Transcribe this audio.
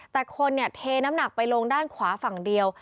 แต่คนเนี่ยเทน้ำหนักไปลงด้านขวาฝั่งเดียว